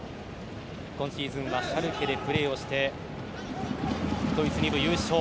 今シーズンはシャルケでプレーしてドイツ２部優勝。